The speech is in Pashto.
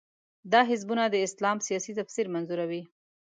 دا حزبونه د اسلام سیاسي تفسیر منظوروي.